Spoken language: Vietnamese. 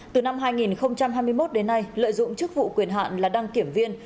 từ năm hai nghìn hai mươi một đến nay lợi dụng chức vụ quyền hạn là đăng kiểm viên